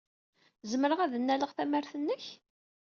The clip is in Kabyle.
Zemreɣ ad nnaleɣ tamart-nnek?